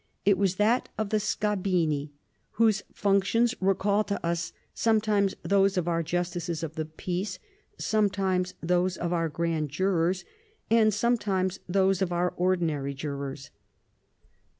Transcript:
It was that of the scabiniy whose functions recall to us sometimes those of our justices of the peace, sometimes those of our grand jurors, and sometimes those of our ordinary jurors.